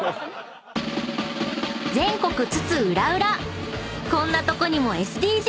［全国津々浦々こんなとこにもＳＤＧｓが！］